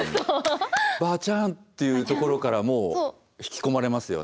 「ばあちゃん」っていうところからもう引き込まれますよね。